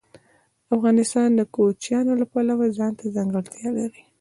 افغانستان د کوچیانو له پلوه ځانته ځانګړتیا لري.